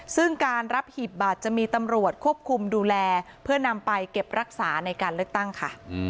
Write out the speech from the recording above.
ซึ่งการรับหีบบัตรจะมีตำรวจควบคุมดูแลเพื่อนำไปเก็บรักษาในการเลือกตั้งค่ะ